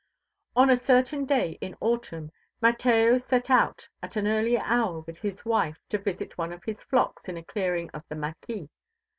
On a certain day in autumn, Mateo set out at an early hour with his wife to visit one of his flocks in a clearing of the mâquis.